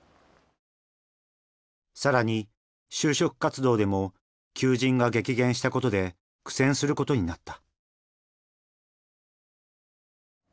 更に就職活動でも求人が激減したことで苦戦することになった。